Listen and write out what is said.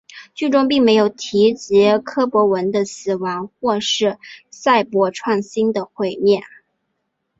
剧中并没有提及柯博文的死亡或是赛博创星的毁灭。